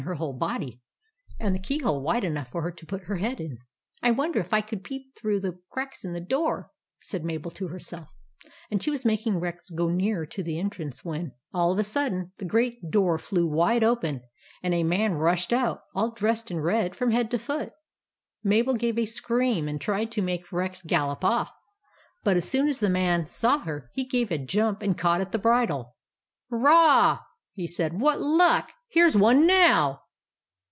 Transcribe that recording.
11 1 64 THE ADVENTURES OF MABEL " I wonder if I could peep through the cracks in the door," said Mabel to herself; and she was making Rex go nearer to the entrance when — all of a sudden the great door flew wide open, and a man rushed out, all dressed in red from head to foot. Mabel gave a scream, and tried to make Rex gallop off ; but as soon as the man saw her, he gave a jump and caught at the bridle. " Hurray !" he said. " What luck ! Here 's one now